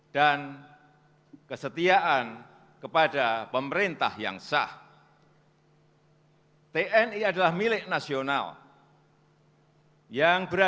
dan kesetiaan kepada negara